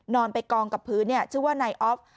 นอนไปกองกับพื้นชื่อว่านายออฟ